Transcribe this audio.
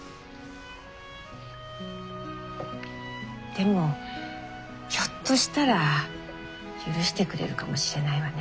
でもひょっとしたら許してくれるかもしれないわね。